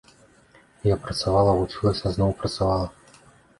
Я працавала, вучылася, зноў працавала.